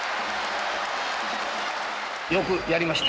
よくやりました。